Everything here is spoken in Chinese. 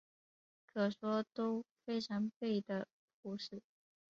可说都非完备的晋史。